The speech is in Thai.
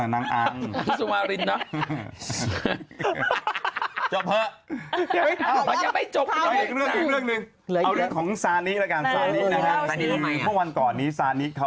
นางอังนางอังซุมารินเนอะ